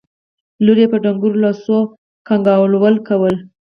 لور يې په ډنګرو لاسو کنګالول کول.